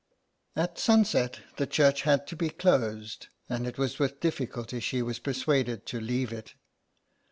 At sunset the church had to be closed, and it was with difficulty she was persuaded to leave it.